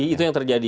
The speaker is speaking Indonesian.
itu yang terjadi